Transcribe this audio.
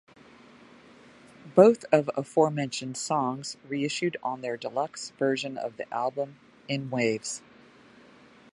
Both of aforementioned songs re-issued on their deluxe version of the album "In Waves".